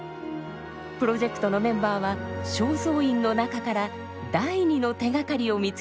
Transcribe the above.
プロジェクトのメンバーは正倉院の中から第２の手がかりを見つけ出しました。